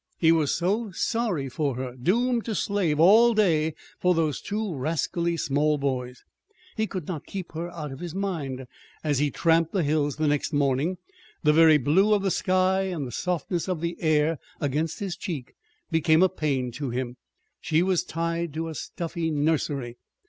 He was so sorry for her doomed to slave all day for those two rascally small boys. He could not keep her out of his mind. As he tramped the hills the next morning the very blue of the sky and the softness of the air against his cheek became a pain to him she was tied to a stuffy nursery.